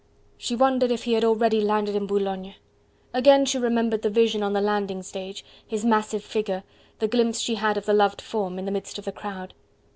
She wondered if he had already landed in Boulogne! Again she remembered the vision on the landing stage: his massive figure, the glimpse she had of the loved form, in the midst of the crowd!